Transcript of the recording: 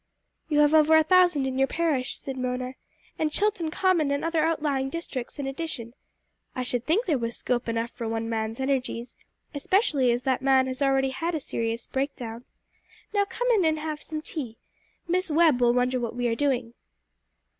"You have over a thousand in your parish," said Mona, "and Chilton Common and other outlying districts in addition. I should think there was scope enough for one man's energies, especially as that man has already had a serious breakdown. Now come and have some tea. Miss Webb will wonder what we are doing."